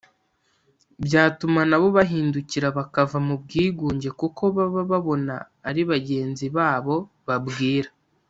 byatuma na bo bahindukira bakava mu bwigunge kuko baba babona ari bagenzi babo babwira